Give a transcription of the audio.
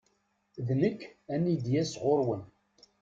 D nekk an id yas ɣur-wen.